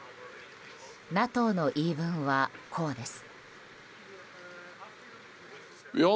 ＮＡＴＯの言い分はこうです。